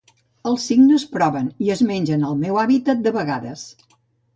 Els cignes proven i es mengen el meu hàbitat de vegades.